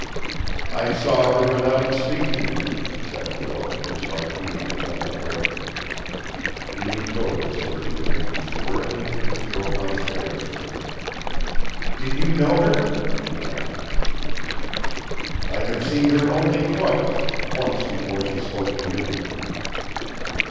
"I saw her run out and speak to you," said Philip, his heart beating at double quick. He leaned over so that he was looking squarely into Miss Brokaw's face. "Did you know her?" she asked. "I have seen her only twice once before she spoke to you."